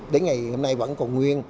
đến ngày hôm nay vẫn còn nguyên